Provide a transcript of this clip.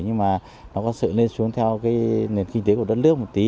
nhưng mà nó có sự lên xuống theo cái nền kinh tế của đất nước một tí